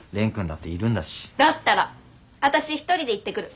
だったら私一人で行ってくる。